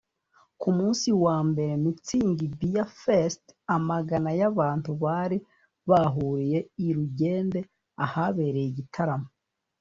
Ku munsi wa mbere wa Mützig Beer Fest amagana y’abantu bari bahuriye i Rugende ahabereye igitaramo